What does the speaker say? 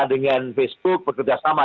dengan facebook bekerja sama